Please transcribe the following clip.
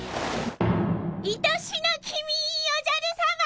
いとしの君おじゃるさま！